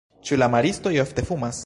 Ĉu la maristoj ofte fumas?